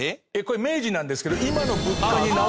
これ明治なんですけど今の物価に直しても。